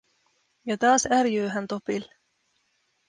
Ja taas ärjyy hän Topille.